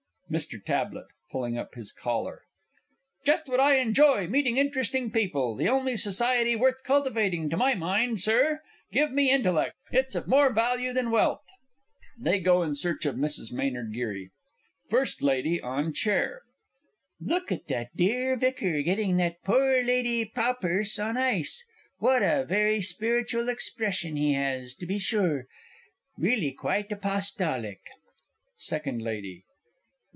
MR. T. (pulling up his collar). Just what I enjoy meeting interesting people the only society worth cultivating, to my mind, Sir. Give me intellect it's of more value than wealth! [They go in search of Mrs. M. G. FIRST LADY ON CHAIR. Look at the dear Vicar getting that poor Lady Pawperse an ice. What a very spiritual expression he has, to be sure really quite apostolic! SECOND LADY.